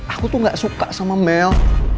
aku tuh gak suka sama mel